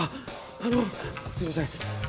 あのすいません。